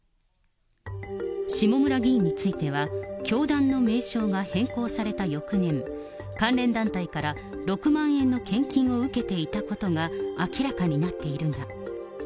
下村議員については教団の名称が変更された翌年、関連団体から６万円の献金を受けていたことが明らかになっているが。